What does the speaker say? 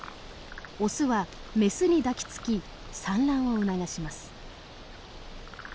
オスはメスに抱きつき産卵を促します。